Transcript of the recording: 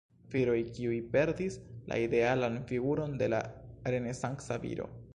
Viroj, kiuj perdis la idealan figuron de la renesanca viro.